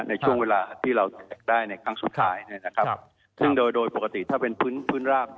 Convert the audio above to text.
ในช่วงเวลาที่เราอยากได้ในครั้งสุดท้ายเนี่ยนะครับซึ่งโดยโดยปกติถ้าเป็นพื้นพื้นราบ